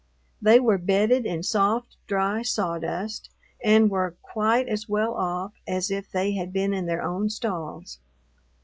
They were bedded in soft, dry sawdust, and were quite as well off as if they had been in their own stalls.